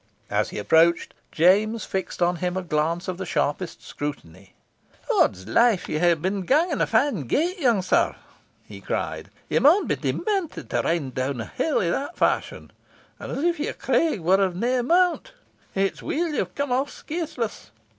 As he approached, James fixed on him a glance of sharpest scrutiny. "Odds life! ye hae been ganging a fine gait, young sir," he cried. "Ye maun be demented to ride down a hill i' that fashion, and as if your craig war of nae account. It's weel ye hae come aff scaithless.